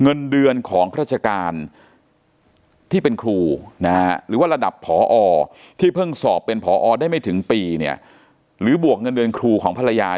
เงินเดือนของราชการที่เป็นครูนะฮะหรือว่าระดับพอที่เพิ่งสอบเป็นพอได้ไม่ถึงปีเนี่ยหรือบวกเงินเดือนครูของภรรยา